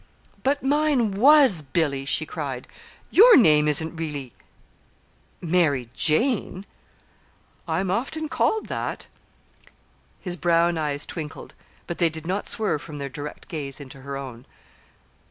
"But mine was 'Billy,'" she cried. "Your name isn't really Mary Jane'?" "I am often called that." His brown eyes twinkled, but they did not swerve from their direct gaze into her own.